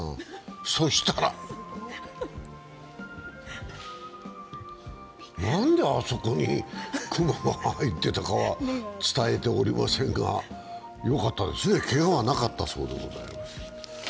そしたらなんであそこに熊が入ってたかは伝えておりませんがよかったですね、けがはなかったそうでございます。